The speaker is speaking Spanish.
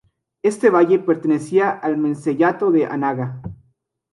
Este valle pertenecía al menceyato de Anaga.